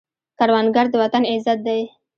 کروندګر د وطن عزت دی